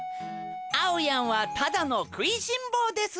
あおやんはただのくいしんぼうです。